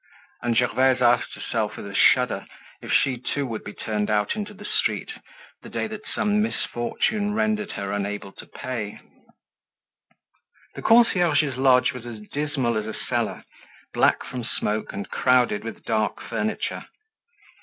And Gervaise asked herself with a shudder if she too would be turned out into the street the day that some misfortune rendered her unable to pay. The concierge's lodge was as dismal as a cellar, black from smoke and crowded with dark furniture.